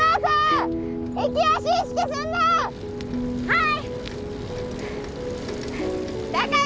はい！